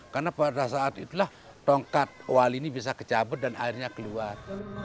karena pada saat itulah tongkat wali ini bisa kecabut dan airnya keluar